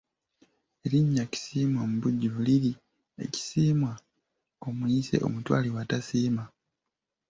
Erinnya Kisiimwa mu bujjuvu liri Ekisiimwa omuyise omutwalibwa tasiima.